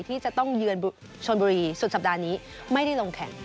ที่จะต้องเยือนชนบุรีสุดสัปดาห์นี้ไม่ได้ลงแข่ง